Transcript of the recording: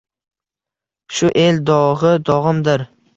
Shu el dog’i dog’imdir.